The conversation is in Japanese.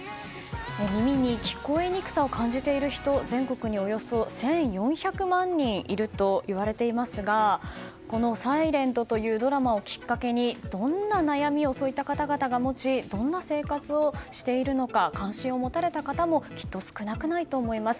耳に聞こえにくさを感じている人は全国におよそ１４００万人もいるといわれていますが「ｓｉｌｅｎｔ」というドラマをきっかけにどんな悩みをそういった方々が持ちどんな生活をしているのか関心を持たれた方もきっと少なくないと思います。